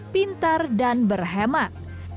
tiga pintar dan berhemat